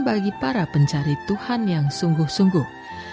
bagi para pencari tuhan yang sungguh sungguh